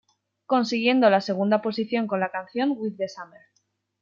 Consiguiendo la segunda posición con la canción "With the summer".